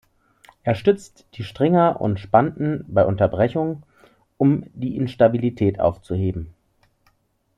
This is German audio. Er stützt die Stringer und Spanten bei Unterbrechung, um die Instabilität aufzuheben.